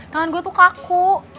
tangan gue tuh kaku